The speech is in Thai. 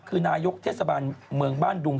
คือนายกเทศบาลเมืองบ้านดุง